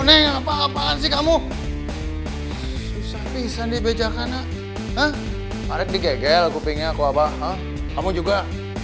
eh eh eh eh apa apaan sih kamu bisa dibecakan ha ha ha ha kamu juga